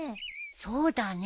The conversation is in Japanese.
そうだね。